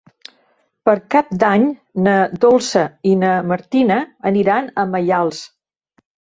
Per Cap d'Any na Dolça i na Martina aniran a Maials.